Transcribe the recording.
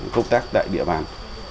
công tác tại địa bàn